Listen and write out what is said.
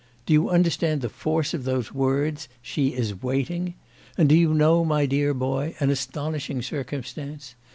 Do you understand the force of those words: she is waiting! And do you know, my dear boy, an astonishing circumstance?